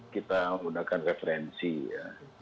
kita menggunakan referensi ya